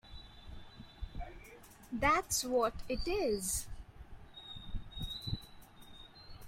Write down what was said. That’s what it is!